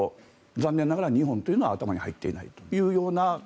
残念ながら日本というのは頭に入っていないというような。